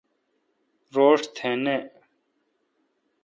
روݭ تہ نہ۔